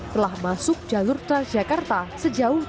telah masuk jalur transjakarta sejauh tiga puluh meter